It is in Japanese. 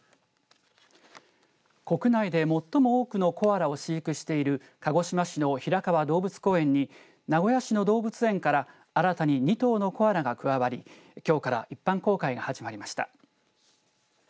国内で最も多くのコアラを飼育している鹿児島市の平川動物公園に名古屋市の動物園から新たに２頭のコアラが加わりきょうから一般公開が始まりました。